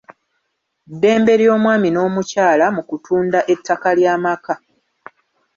Ddembe ly’omwami n’omukyala mu kutunda ettaka ly’amaka.